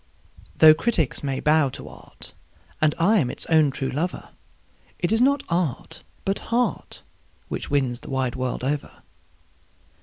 Though critics may bow to art, and I am its own true lover, It is not art, but heart, which wins the wide world over.